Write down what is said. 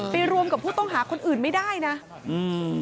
รวมกับผู้ต้องหาคนอื่นไม่ได้นะอืม